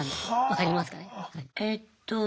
分かりますかね？